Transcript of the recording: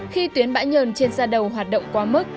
khi tuyến bã nhờn trên da đầu hoạt động quá mức